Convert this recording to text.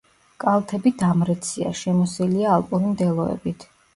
კალთები დამრეცია, შემოსილია ალპური მდელოებით.